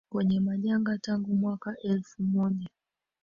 kwenye majanga tangu mwaka elfu moja